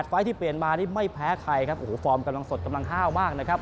ไฟล์ที่เปลี่ยนมานี่ไม่แพ้ใครครับโอ้โหฟอร์มกำลังสดกำลังห้าวมากนะครับ